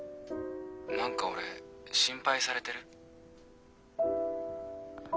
何か俺心配されてる？